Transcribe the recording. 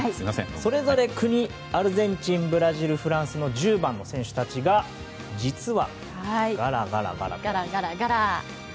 それぞれの国アルゼンチン、ブラジルフランスの１０番の選手たちが実は、がらがらがら。